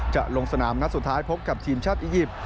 จะลงสนามนัดสุดท้ายพบกับทีมชาติอียิปต์